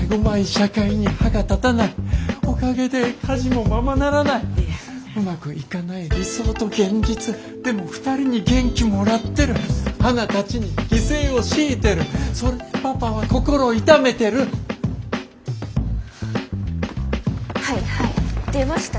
社会に歯が立たないおかげで家事もままならないうまくいかない理想と現実でも２人に元気もらってる花たちに犠牲を強いてるそれでパパは心痛めてるはいはい出ました